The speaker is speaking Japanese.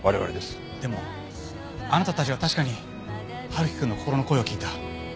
でもあなたたちは確かに春樹くんの心の声を聞いた。